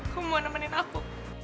kamu mau nemenin aku